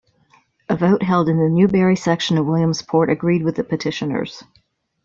A vote held in the Newberry section of Williamsport agreed with the petitioners.